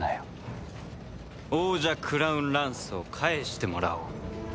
オージャクラウンランスを返してもらおう。